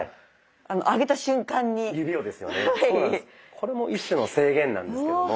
これも一種の制限なんですけども。